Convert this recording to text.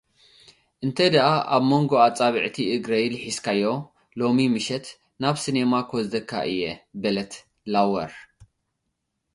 "እንተዳኣ ኣብ መንጎ ኣጻብዕቲ እግረይ ልሒስካዮ፡ ሎሚ ምሸት ናብ ሲነማ ክወስደካ እየ" በለት ላውር።